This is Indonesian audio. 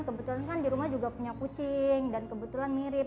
kebetulan kan di rumah juga punya kucing dan kebetulan mirip